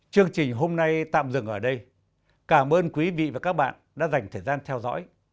chương trình hôm nay tạm dừng ở đây cảm ơn quý vị và các bạn đã dành thời gian theo dõi